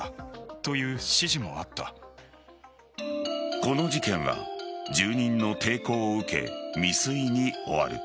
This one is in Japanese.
この事件は住人の抵抗を受け、未遂に終わる。